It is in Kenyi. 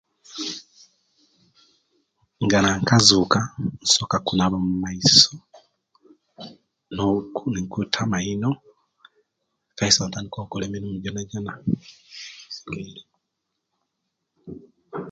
Nga nakazuka nsoka kunaba mumaiso no nenkuta amaino Kaisi awo nitandika okola emirimu jonajona.